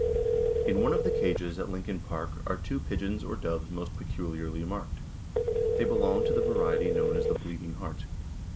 In one of the cages at Lincoln Park are two pigeons or doves most peculiarly marked. They belong to the variety known as the "Bleeding Heart."